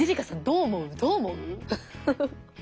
どう思う？